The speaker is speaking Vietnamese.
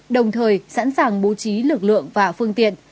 đồng thời sẵn sàng bố trí lực lượng và phương tiện